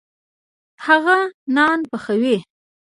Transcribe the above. هغه نان پخوي.